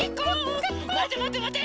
まてまてまて！